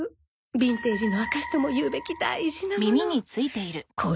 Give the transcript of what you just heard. ビンテージの証しともいうべき大事なもの